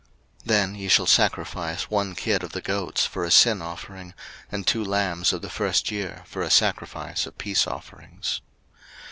03:023:019 Then ye shall sacrifice one kid of the goats for a sin offering, and two lambs of the first year for a sacrifice of peace offerings.